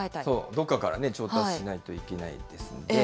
どっかから調達しないといけないんですね。